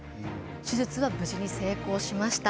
手術は無事に成功しました。